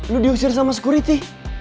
lu diusir sama security